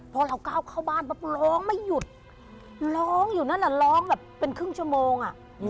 พอเราก้าวเข้าบ้านปั๊บร้องไม่หยุดร้องอยู่นั่นน่ะร้องแบบเป็นครึ่งชั่วโมง